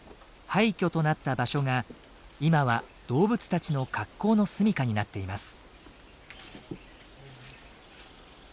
廃虚となった場所が今は動物たちの格好の住みかになっています。